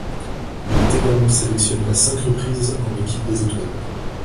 Il est également sélectionné à cinq reprises en équipe des étoiles.